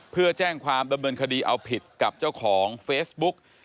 เพื่อแจ้งความดำเนินคดีเอาผิดกับเจ้าของเฟซบุ๊ก